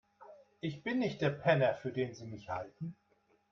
Ich bin nicht der Penner, für den Sie mich halten.